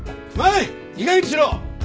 いいかげんにしろ！